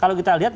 kalau kita lihat